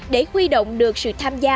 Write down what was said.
để quy động được sự tham gia